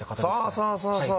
そうそうそうそう